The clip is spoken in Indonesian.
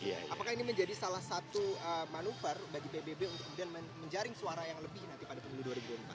apakah ini menjadi salah satu manuver bagi pbb untuk kemudian menjaring suara yang lebih nanti pada pemilu dua ribu empat belas